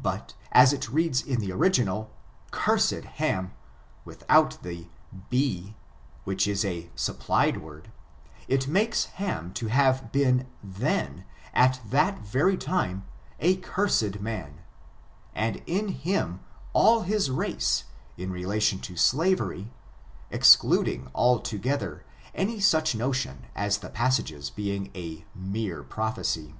But, as it reads in the original, cursed Ham, without the be — which is a supplied word— it makes Ham to have been then, at that very time, a cursed man, and in him, all his race, in relation to slavery, excluding al together any such notion as the passages being a mere prophesy.